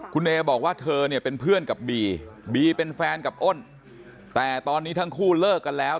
คุณเอบอกว่าเธอเนี่ยเป็นเพื่อนกับบีบีเป็นแฟนกับอ้นแต่ตอนนี้ทั้งคู่เลิกกันแล้ว